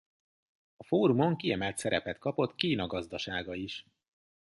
A fórumon kiemelt szerepet kapott Kína gazdasága is.